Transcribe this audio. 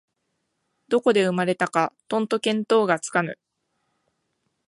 どこで生まれたかとんと見当がつかぬ